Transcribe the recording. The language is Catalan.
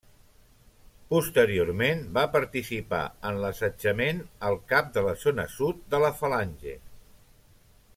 Posteriorment, va participar en l'assetjament el Cap de la Zona Sud de la Falange.